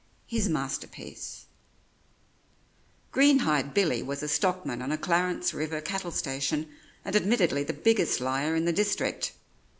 HIS MASTERPIECE Greenhide Billy was a stockman on a Clarence River cattle station, and admittedly the biggest liar in the district.